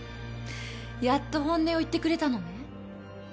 やっと本音を言ってくれたのね。